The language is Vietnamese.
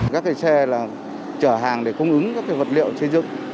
các cái xe là chở hàng để cung ứng các cái vật liệu chế dựng